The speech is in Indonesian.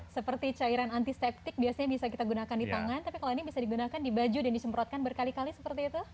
seperti cairan antiseptik biasanya bisa kita gunakan di tangan tapi kalau ini bisa digunakan di baju dan disemprotkan berkali kali seperti itu